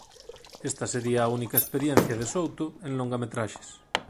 Esta sería a única experiencia de Souto en longametraxes.